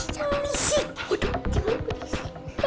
shhh jangan berisik